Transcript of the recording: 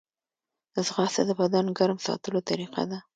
ځغاسته د بدن ګرم ساتلو طریقه ده